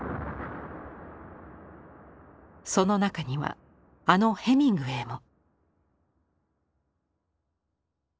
その中にはあのヘミングウェイも。